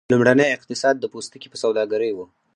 لومړنی اقتصاد د پوستکي په سوداګرۍ و.